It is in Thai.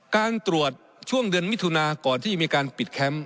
การตรวจช่วงเดือนมิถุนาก่อนที่จะมีการปิดแคมป์